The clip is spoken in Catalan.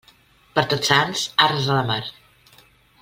Per Tots Sants, arts a la mar.